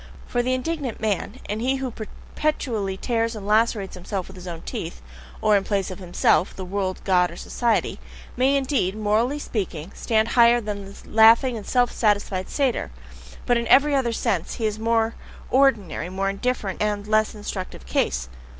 For the indignant man, and he who perpetually tears and lacerates himself with his own teeth (or, in place of himself, the world, God, or society), may indeed, morally speaking, stand higher than the laughing and self satisfied satyr, but in every other sense he is the more ordinary, more indifferent, and less instructive case.